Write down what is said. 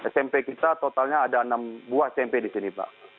smp kita totalnya ada enam buah tempe di sini pak